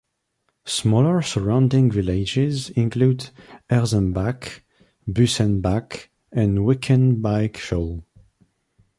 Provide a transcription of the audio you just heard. Smaller surrounding villages include Erzenbach, Busenbach and Wickenbaechle.